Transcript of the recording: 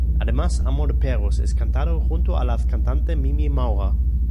Además, "Amor de perros" es cantado junto a la cantante Mimi Maura.